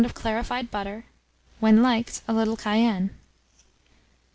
of clarified butter; when liked, a little cayenne.